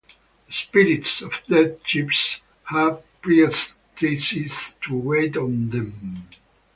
The spirits of dead chiefs had priestesses to wait on them.